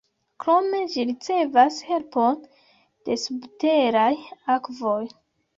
Krome ĝi ricevas helpon de subteraj akvoj.